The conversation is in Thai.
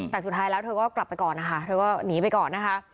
แต่สุดท้ายแล้วเธอก็กลับไปก่อนนะคะเธอก็หนีไปก่อนนะคะ